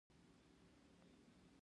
هغه د ورځې سلګونه افغانۍ په خپل سپي لګوي